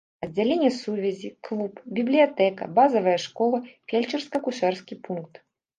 Аддзяленне сувязі, клуб, бібліятэка, базавая школа, фельчарска-акушэрскі пункт.